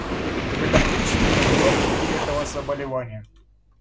В этом ключ к профилактике этого заболевания.